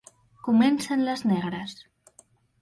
Comencen les negres.